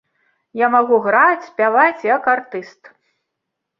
Я магу граць, спяваць як артыст.